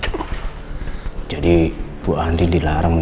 selamat tidur mas